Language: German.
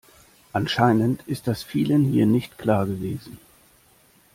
Anscheinend ist das vielen hier nicht klar gewesen.